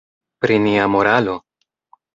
Pri nia moralo?